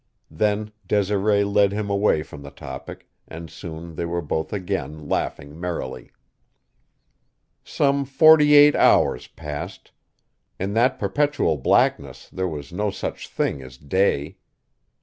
Then Desiree led him away from the topic, and soon they were both again laughing merrily. Some forty eight hours passed; in that perpetual blackness there was no such thing as day.